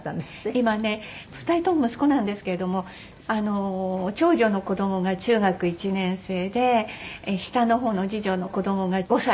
今ね２人とも息子なんですけれども長女の子供が中学１年生で下の方の次女の子供が５歳です。